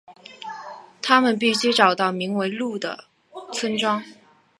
他们必须找到名为怒的村庄。